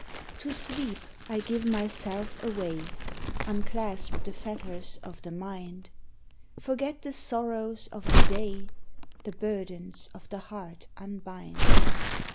To sleep I give myself away, Inelasp the fetters of tin mind, i t tin sorrow ? of tin day, The burdens of the hear! unbind.